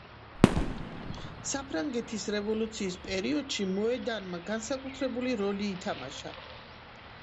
საფრანგეთის რევოლუციის პერიოდში მოედანმა განსაკუთრებული როლი ითამაშა.